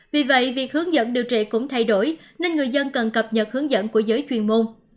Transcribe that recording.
vì vậy việc hướng dẫn điều trị cũng thay đổi nên người dân cần cập nhật hướng dẫn của giới chuyên môn